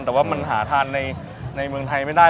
แต่ว่ามันหาทานในเมืองไทยไม่ได้